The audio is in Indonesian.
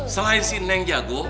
selain si neng jago